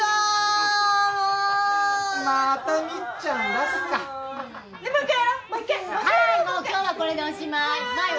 はーいもう今日はこれでおしまい！